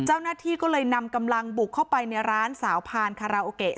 เจ้าหน้าที่ก็เลยนำกำลังบุกเข้าไปในร้านสาวพานคาราโอเกะ